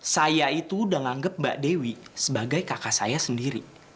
saya itu udah nganggep mbak dewi sebagai kakak saya sendiri